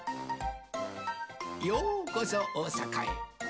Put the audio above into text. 「ようこそおおさかへ！」